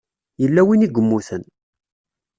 Yella win i yemmuten.